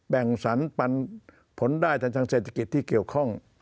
แบ่งสรรปันผลได้ทางเศรษฐกิจที่เกี่ยวข้อง